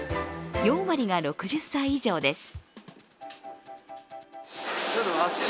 ４割が６０歳以上です。